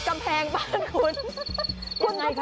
มันขี่ร้องเวลา๓สักนาที